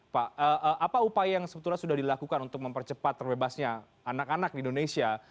pak apa upaya yang sebetulnya sudah dilakukan untuk mempercepat terbebasnya anak anak di indonesia